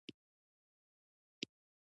پسرلی د افغانستان د طبعي سیسټم توازن ساتي.